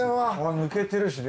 抜けてるしね